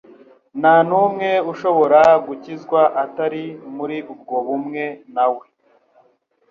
Nta n'umwe ushobora gukizwa atari muri ubwo bumwe na we.